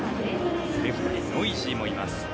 レフトにノイジーもいます。